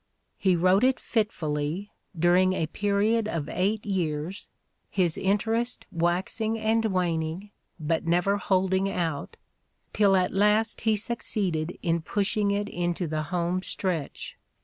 He wrote it fitfully, during 'i a period of eight years, his interest waxing and waning but never holding out, till at last he succeeded in push ing it into the home stretch.